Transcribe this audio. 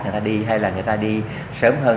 người ta đi hay là người ta đi sớm hơn